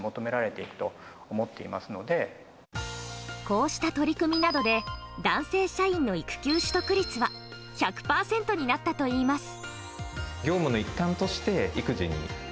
こうした取り組みなどで男性社員の育休取得率は１００％になったといいます。